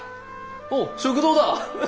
おお食堂だ！